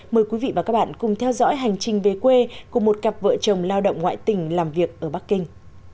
mời quý vị và các bạn cùng theo dõi hành trình về quê của một cặp vợ chồng lao động ngoại tỉnh làm việc ở bắc kinh